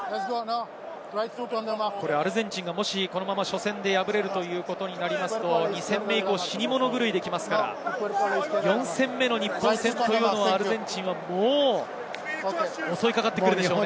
アルゼンチンがこのまま初戦で敗れるということになりますと、２戦目以降、死に物狂いで来ますから、４戦目の日本戦はアルゼンチンはもう襲いかかってくるでしょうね。